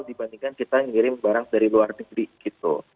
dibandingkan kita ngirim barang dari luar negeri gitu